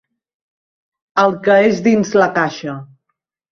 El que és dins la caixa.